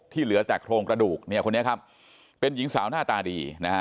ที่เหลือแตกโครงกระดูกคนนี้ครับเป็นหญิงสาวหน้าตาดี